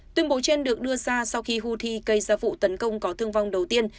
tuyên bố trên được đưa ra sau khi houthi gây ra vụ tấn công có thương vong đầu tiên